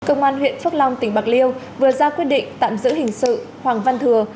công an huyện phước long tỉnh bạc liêu vừa ra quyết định tạm giữ hình sự hoàng văn thừa